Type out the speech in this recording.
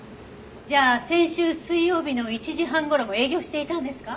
じゃあ先週水曜日の１時半頃も営業していたんですか？